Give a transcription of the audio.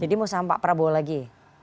jadi mau sama pak prabowo lagi